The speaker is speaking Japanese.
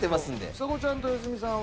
ちさ子ちゃんと良純さんは。